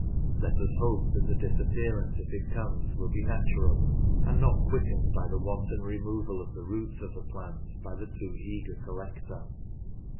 Let us hope that the disappearance, if it comes, will be natural, and not quickened by the wanton removal of the roots of the plants by the too eager collector.